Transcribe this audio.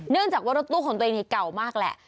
เนื่องจากว่ารถตู้ของตัวเองเก่ามากแหละ